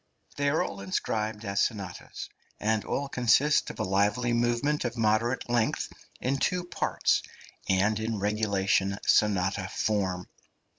They are all inscribed as sonatas, and all consist of a lively movement of moderate length in two parts, and in regulation sonata form.